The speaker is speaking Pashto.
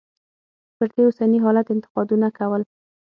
پر دې اوسني حالت انتقادونه کول.